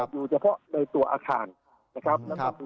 อยู่เฉพาะในตัวอาคารนะครับ